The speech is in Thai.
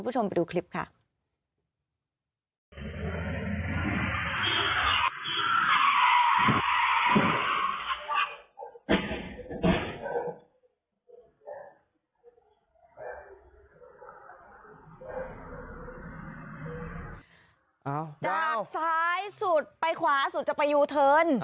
จากซ้ายสุดไปคว้าสุดจะไปยูเทิร์น